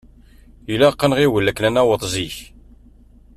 Ilaq ad nɣiwel akken ad naweḍ zik.